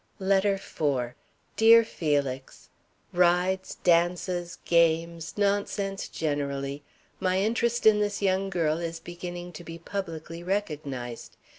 LETTER IV. DEAR FELIX: Rides, dances, games, nonsense generally. My interest in this young girl is beginning to be publicly recognized.